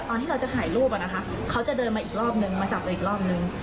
ตอนที่เราจะถ่ายรูปอะนะคะเขาจะเดินมาอีกรอบนึงมาจับเราอีกรอบนึง